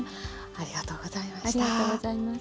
ありがとうございます。